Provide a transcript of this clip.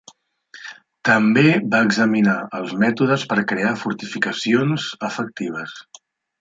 També va examinar els mètodes per crear fortificacions efectives.